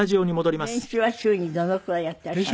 練習は週にどのくらいやってらっしゃるの？